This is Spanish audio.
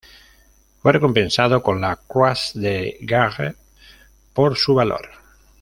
Fue recompensado con la Croix de Guerre por su valor.